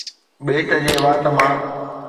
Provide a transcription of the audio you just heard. پيٽ جي وات مان